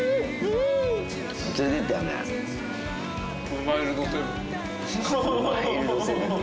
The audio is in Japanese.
ウマイルドセブン！